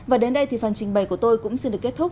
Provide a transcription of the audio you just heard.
và đến đây thì phần trình bày của tôi cũng xin được kết thúc